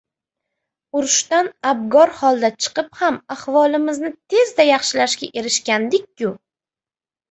Urushdan abgor holda chiqib ham, ahvolimizni tezda yaxshilashga erishgandik-ku?!